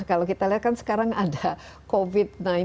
kalau kita lihat kan sekarang ada covid sembilan belas